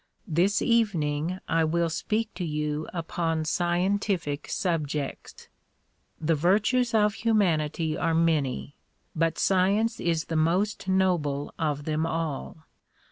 This evening I will speak to you upon scientific subjects. The virtues of humanity are many but science is the most noble of them all.